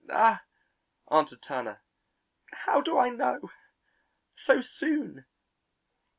"Ah," answered Turner, "how do I know so soon!"